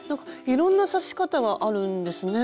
いろんな刺し方があるんですね。